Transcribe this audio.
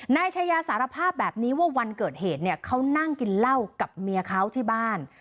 นายชายาสารภาพแบบนี้ว่าวันเกิดเหตุเนี่ยเขานั่งกินเหล้ากับเมียเขาที่บ้าน